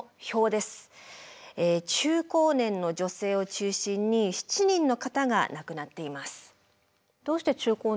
中高年の女性を中心に７人の方が亡くなっています。